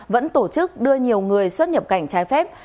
vẫn tổ chức đưa nhiều người xuất nhập cảnh trái phép